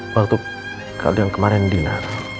waktu kau dengan kemarin dina